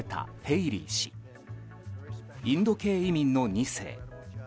インド系移民の２世。